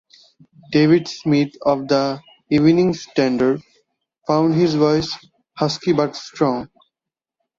David Smyth of the "Evening Standard" found his voice "husky but strong".